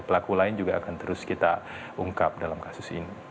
pelaku lain juga akan terus kita ungkap dalam kasus ini